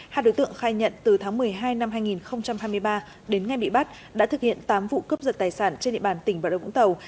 hai đối tượng khai nhận từ tháng một mươi hai năm hai nghìn hai mươi ba đến ngày bị bắt đã thực hiện tám vụ cướp giật tài sản trên địa bàn tỉnh bà rập vũng tàu